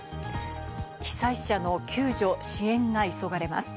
被災者の救助、支援が急がれます。